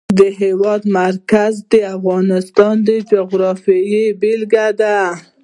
د هېواد مرکز د افغانستان د جغرافیې بېلګه ده.